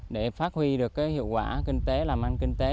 để phát huy được hiệu quả kinh tế làm ăn kinh tế